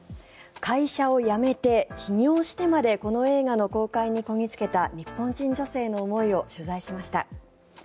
会社を辞めて、起業してまでこの映画の公開にこぎ着けた日本人女性の思いを取材しました。